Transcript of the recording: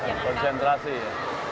dan konsentrasi ya